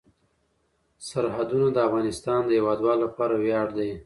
سرحدونه د افغانستان د هیوادوالو لپاره ویاړ دی.